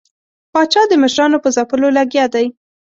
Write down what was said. پاچا د مشرانو په ځپلو لګیا دی.